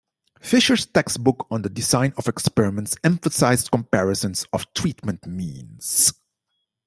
Fisher's textbook on the design of experiments emphasized comparisons of treatment means.